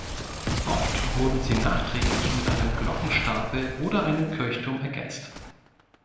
Oft wurden sie nachträglich mit einem Glockenstapel oder einem Kirchturm ergänzt.